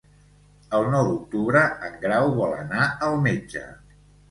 El nou d'octubre en Grau vol anar al metge.